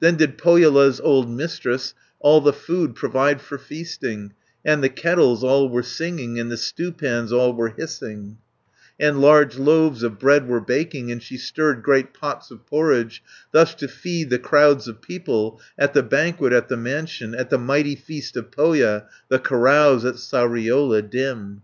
Then did Pohjola's old Mistress All the food provide for feasting, And the kettles all were singing, And the stewpans all were hissing, 510 And large loaves of bread were baking, And she stirred great pots of porridge, Thus to feed the crowds of people, At the banquet at the mansion, At the mighty feast of Pohja, The carouse at Sariola dim.